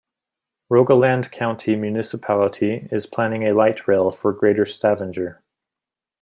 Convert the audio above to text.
Rogaland County Municipality is planning a light rail for Greater Stavanger.